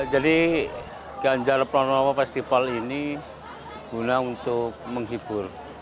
jadi ganjar pranowo festival ini guna untuk menghibur